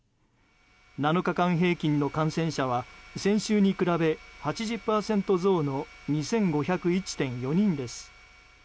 ７日間平均の感染者は先週に比べ８０％増の２５０１．４人です。